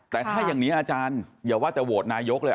แต่ถ้าอย่างนี้อาจารย์อย่าว่าแต่โหวตนายกเลย